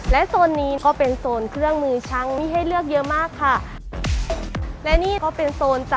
และโซนนี้ก็เป็นโซนเครื่องมือช่าง